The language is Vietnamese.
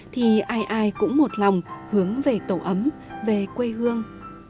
thì ai ai cũng một lòng hướng về tổ ấm về quê hương